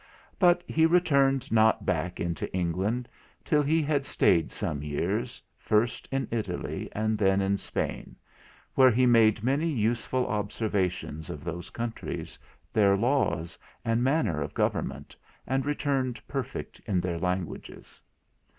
But he returned not back into England till he had staid some years, first in Italy and then in Spain, where he made many useful observations of those countries, their laws and manner of government, and returned perfect in their languages.